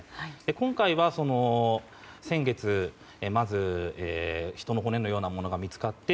今回は先月まず人の骨のようなものが見つかって